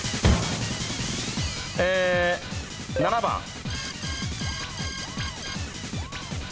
７番。